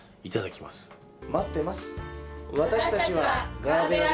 待ってます。